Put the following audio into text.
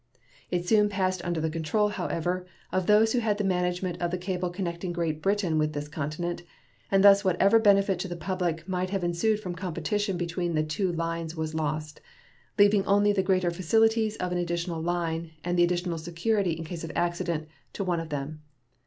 It soon passed under the control, however, of those who had the management of the cable connecting Great Britain with this continent, and thus whatever benefit to the public might have ensued from competition between the two lines was lost, leaving only the greater facilities of an additional line and the additional security in case of accident to one of them.